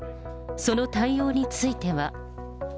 その対応については。